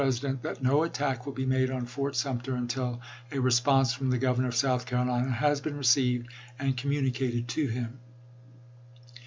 dent that no attack will be made on Fort Sumter Hayneto Wigfall and until a response from the Governor of South Caro otJ|,r^1ai1 lina has been received and communicated to him."